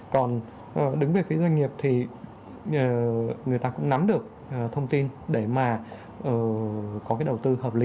còn đứng về cái doanh nghiệp thì người ta cũng nắm được thông tin để mà có cái đầu tư hợp lý